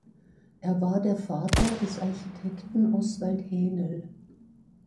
Er war der Vater des Architekten Oswald Haenel.